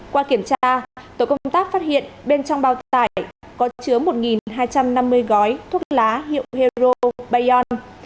qua kiểm tra tổ công tác phát hiện bên trong bao tải có chứa một hai trăm năm mươi gói thuốc lá hiệu hero bayon